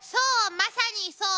まさにそう。